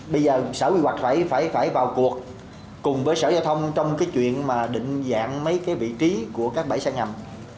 bây giờ sở quy hoạch phải vào cuộc cùng với sở giao thông trong chuyện định dạng mấy vị trí của các bãi xe ngầm